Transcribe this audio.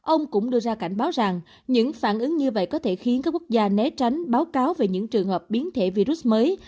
ông cũng đưa ra cảnh báo rằng những phản ứng như vậy có thể khiến các quốc gia né tránh báo cáo về những trường hợp biến thể virus mới